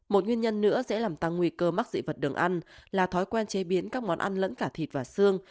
một nguyên nhân nữa sẽ làm tăng nguy cơ mắc dị vật đường ăn là thói quen chế biến các món ăn lẫn cả thịt và xương